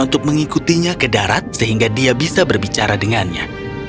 untuk mengikutinya ke darat sehingga dia bisa berbicara dengannya